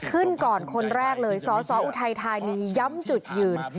ขึ้นก่อนคนแรกเลยสอสออุทัยธานีย้ำจุดยืน